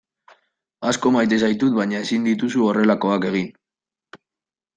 Asko maite zaitut baina ezin dituzu horrelakoak egin.